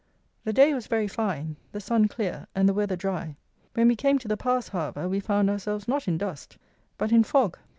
The day was very fine, the sun clear, and the weather dry. When we came to the pass, however, we found ourselves, not in dust, but in a fog.